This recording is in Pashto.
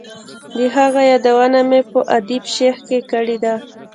د هغه یادونه مې په ادیب شیخ کې کړې ده.